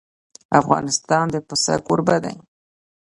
افغانستان د پسه کوربه دی.